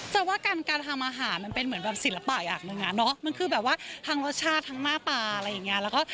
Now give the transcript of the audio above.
จะว่าการการทำอาหารมันเป็นเหมือนแบบศิลปะอย่างหนึ่งอ่ะเนอะมันคือแบบว่าทั้งรสชาติทั้งหน้าปลาอะไรอย่างเงี้ยแล้วก็